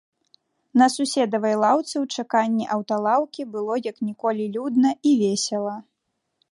На суседавай лаўцы ў чаканні аўталаўкі было як ніколі людна і весела.